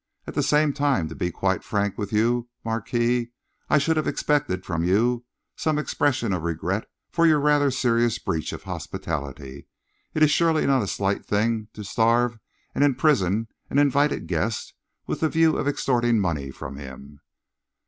At the same time, to be quite frank with you, Marquis, I should have expected from you some expression of regret for your rather serious breach of hospitality. It is surely not a slight thing to starve and imprison an invited guest with the view of extorting money from him."